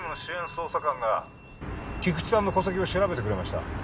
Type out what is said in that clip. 捜査官が菊知さんの戸籍を調べてくれました